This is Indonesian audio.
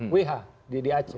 w h di aceh